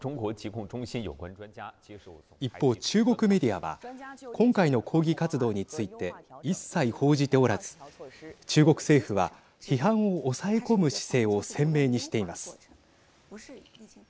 一方、中国メディアは今回の抗議活動について一切、報じておらず中国政府は批判を抑え込む姿勢を鮮明にしています。